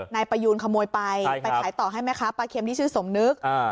นายประยูนขโมยไปใช่ครับไปขายต่อให้ไหมครับประเข็มที่ชื่อสมนึกอ่า